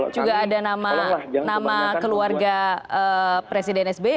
juga ada nama keluarga presiden sby